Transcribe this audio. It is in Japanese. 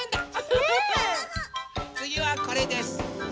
つぎはこれです！